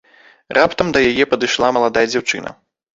Раптам да яе падышла маладая дзяўчына.